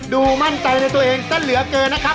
มั่นใจในตัวเองซะเหลือเกินนะครับ